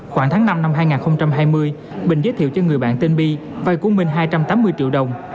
khoảng tháng năm năm hai nghìn hai mươi bình giới thiệu cho người bạn tên bi vay của minh hai trăm tám mươi triệu đồng